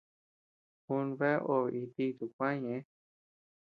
U bea obe it dituu kuä ñeʼë.